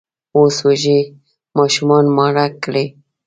اوس وږي ماشومان ماړه کړئ!